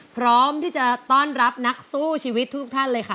พร้อมที่จะต้อนรับนักสู้ชีวิตทุกท่านเลยค่ะ